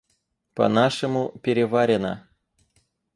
По нашему, переварено.